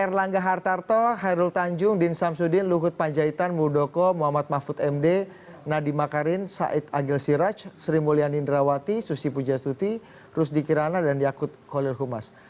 erlangga hartarto hairul tanjung din samsudin luhut panjaitan muldoko muhammad mahfud md nadima karin said agil siraj sri mulyani ndrawati susi puja suti rusdi kirana dan yakut kolir humas